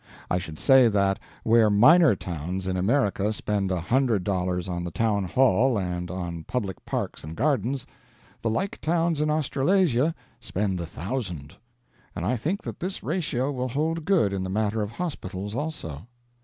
I should say that where minor towns in America spend a hundred dollars on the town hall and on public parks and gardens, the like towns in Australasia spend a thousand. And I think that this ratio will hold good in the matter of hospitals, also.